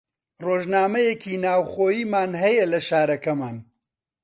ڕۆژنامەیەکی ناوخۆییمان هەیە لە شارەکەمان